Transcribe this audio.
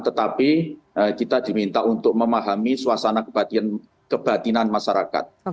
tetapi kita diminta untuk memahami suasana kebatinan masyarakat